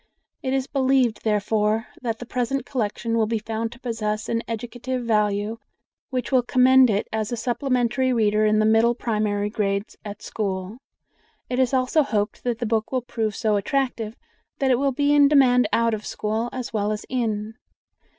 It is believed, therefore, that the present collection will be found to possess an educative value which will commend it as a supplementary reader in the middle primary grades at school. It is also hoped that the book will prove so attractive that it will be in demand out of school as well as in.